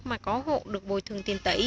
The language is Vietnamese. mà có hộ được bùi thường tiền tỷ